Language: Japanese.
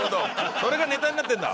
それがネタになってるんだ？